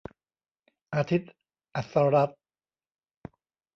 อาทิตย์ อัสสรัตน์